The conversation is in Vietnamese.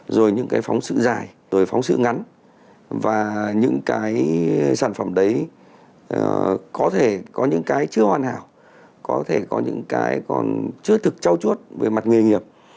rồi những cái phóng sự dài rồi phóng sự ngắn và những cái sản phẩm đấy có thể có những cái chưa hoàn hảo có thể có những cái còn chưa thực trao chuốt về mặt nghề nghiệp